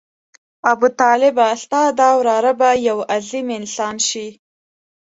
ابوطالبه ستا دا وراره به یو عظیم انسان شي.